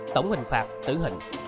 tổng hình phạt tử hình